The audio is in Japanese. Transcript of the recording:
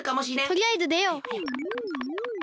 とりあえずでよう！